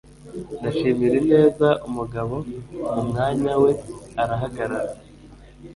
Ndashimira ineza umugabo mu mwanya we arahagarara